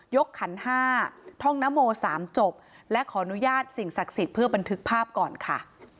ขันห้าท่องนโม๓จบและขออนุญาตสิ่งศักดิ์สิทธิ์เพื่อบันทึกภาพก่อนค่ะ